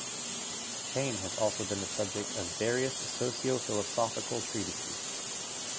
Pain has also been the subject of various socio-philosophical treatises.